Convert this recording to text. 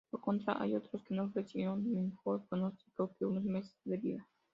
Por contra, hay otros que no ofrecen mejor pronóstico que unos meses de vida.